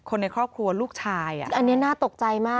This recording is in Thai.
คนในครอบครัวลูกชายอันนี้น่าตกใจมาก